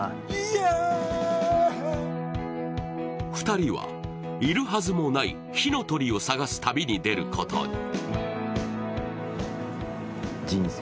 ２人は、いるはずもない火の鳥を探す旅に出ることに。